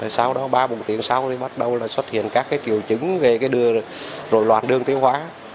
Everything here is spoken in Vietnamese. sau đó ba bốn tiếng sau thì bắt đầu là xuất hiện các triệu chứng về loạn đường tiêu hóa